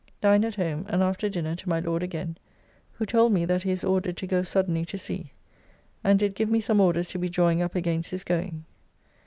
Dined at home, and after dinner to my Lord again, who told me that he is ordered to go suddenly to sea, and did give me some orders to be drawing up against his going.